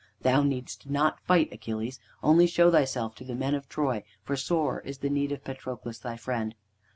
Thou needst not fight, Achilles, only show thyself to the men of Troy, for sore is the need of Patroclus thy friend."